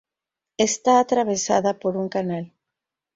Está atravesada por un canal.